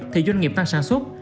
thì doanh nghiệp tăng sản xuất